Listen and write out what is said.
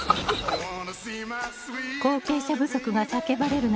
後継者不足が叫ばれる中